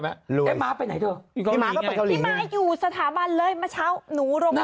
แค่นั้นไปยืนข้างขุนเบนท์